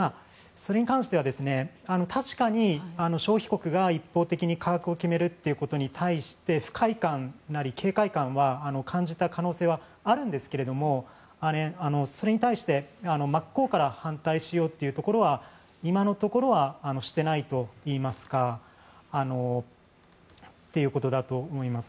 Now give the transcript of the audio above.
それに関しては確かに消費国が一方的に価格を決めるということに対して不快感なり警戒感は感じた可能性はあるんですけれどもそれに対して真っ向から反対しようというところは今のところはしてないということだと思います。